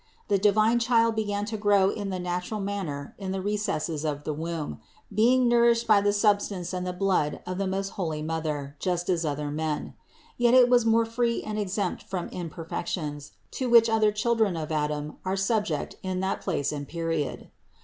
The divine Child began to grow in the natural manner in the recess of the womb, being nourished by the substance and the blood of its most holy Mother, just as other men; yet it was more free and exempt from the imperfections, to which other children of Adam are subject in that place and period.